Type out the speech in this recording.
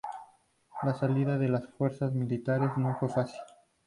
La salida de las Fuerzas Militares no fue fácil.